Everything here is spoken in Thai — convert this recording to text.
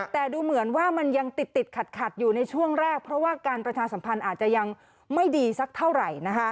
แต่ดูเหมือนว่ามันยังติดขัดอยู่ในช่วงแรกเพราะว่าการประชาสัมพันธ์อาจจะยังไม่ดีสักเท่าไหร่